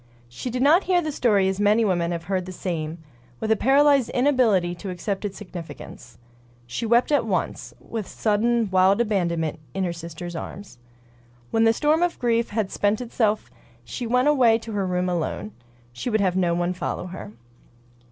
She did not hear the story as many women have heard the same, with a paralyzed inability to accept its significance. She wept at once, with sudden, wild abandonment, in her sister's arms. When the storm of grief had spent itself she went away to her room alone. She would have no one follow her.